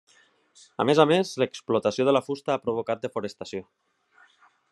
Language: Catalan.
A més a més, l'explotació de la fusta ha provocat desforestació.